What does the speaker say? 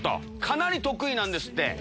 かなり得意なんですって。